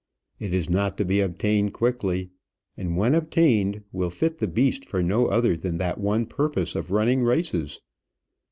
It is not to be obtained quickly, and, when obtained, will fit the beast for no other than that one purpose of running races.